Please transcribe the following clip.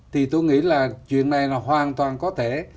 thì tôi nghĩ là chuyện này là hoàn toàn có thể